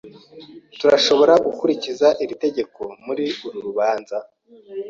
Turashobora gukurikiza iri tegeko muri uru rubanza?